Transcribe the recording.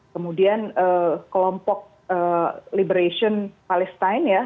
kemudian kelompok liberation palestine ya